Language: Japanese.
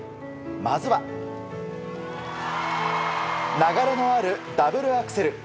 まずは、流れのあるダブルアクセル。